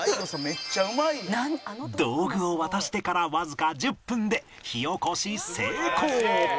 めっちゃうまい」道具を渡してからわずか１０分で火起こし成功！